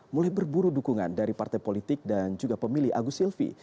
mulai berburu dukungan dari partai politik dan juga pemilih agus silvi